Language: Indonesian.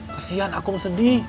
kasihan akung sedih